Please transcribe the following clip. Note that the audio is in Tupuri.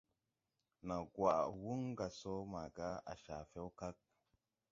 Naw gwaʼ wuŋ gà sɔ maaga à caa fɛw kag.